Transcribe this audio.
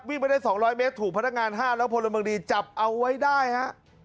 วิ่งไปได้๒๐๐เมตรถูกพนักงานห้าแล้วพลบรรดีจับเอาไว้ได้ฮะ